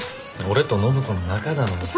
俺と暢子の仲だのに。